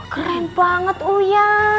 keren banget uya